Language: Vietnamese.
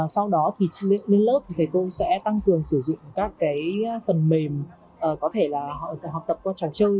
sau đó thì lên lớp thì thầy cô sẽ tăng cường sử dụng các cái phần mềm có thể là học tập qua trò chơi